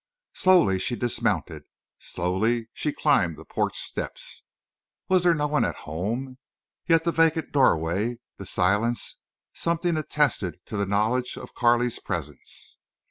Slowly she dismounted—slowly she climbed the porch steps. Was there no one at home? Yet the vacant doorway, the silence—something attested to the knowledge of Carley's presence.